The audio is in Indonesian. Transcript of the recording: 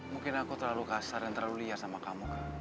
mungkin aku terlalu kasar dan terlalu liar sama kamu